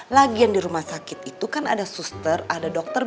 lagian di rumah sakit itu kan ada suster ada dokter